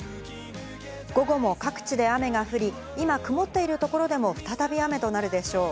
午後も各地で雨が降り、今、曇っているところでも再び雨となるでしょう。